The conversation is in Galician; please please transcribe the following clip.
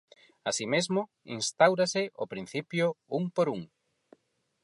Así mesmo, instáurase o principio 'un por un'.